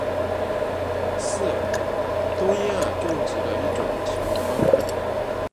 是东亚种植的一种甜瓜。